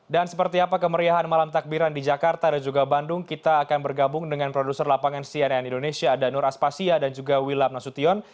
dan seperti apa kemeriahan malam takbiran di jakarta dan juga bandung kita akan bergabung dengan produser lapangan cnn indonesia danur aspasia dan juga wilab nasution